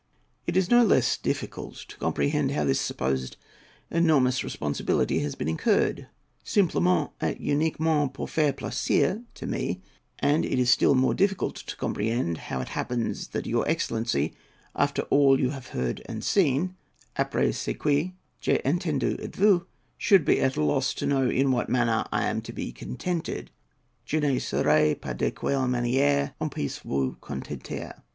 It is no less difficult to comprehend how this supposed enormous responsibility has been incurred, "simplement et uniquement pour faire plaisir" to me; and it is still more difficult to comprehend how it happens that your excellency, "after all that you have heard and seen" (après ce que j'ai entendu et vu), should be at a loss to know in what manner I am to be contented (je ne saurais pas dequelle maniére on puisse vous contenter).